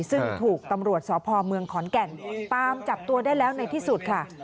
ซึ่งถูกตำรวจสพเมืองขอนแก่นตามจับตัวได้แล้วในที่สุดค่ะ